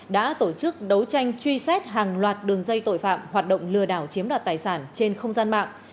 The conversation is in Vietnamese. đã tổ chức đấu tranh truy xét hàng loạt đường dây tội phạm hoạt động lừa đảo chiếm đoạt tài sản trên không gian mạng